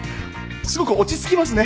すごく落ち着きますね